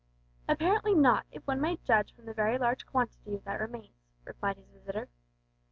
"Apparently not, if one may judge from the very large quantity that remains," replied his visitor.